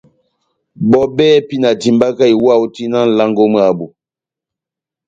Bɔ́ bɛ́hɛ́pi na timbaka iwa ó tina nʼlango mwábu.